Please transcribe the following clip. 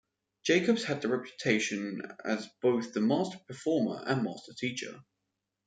Jacobs had the reputation as both the master performer and master teacher.